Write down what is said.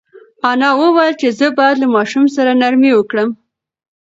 انا وویل چې زه باید له ماشوم سره نرمي وکړم.